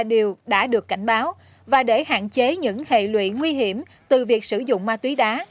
điều đã được cảnh báo và để hạn chế những hệ lụy nguy hiểm từ việc sử dụng ma túy đá